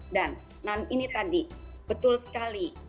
dan ini tadi betul sekali